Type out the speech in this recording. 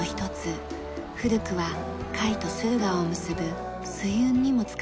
古くは甲斐と駿河を結ぶ水運にも使われました。